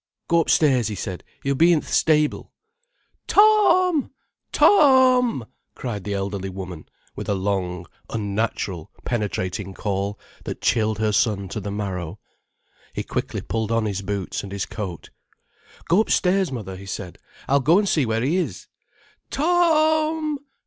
"Go upstairs," he said. "He'll be in th' stable." "To—om! To—om!" cried the elderly woman, with a long, unnatural, penetrating call that chilled her son to the marrow. He quickly pulled on his boots and his coat. "Go upstairs, mother," he said; "I'll go an' see where he is." "To—om!